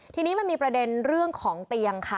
ทีนี้มันมีประเด็นเรื่องของเตียงค่ะ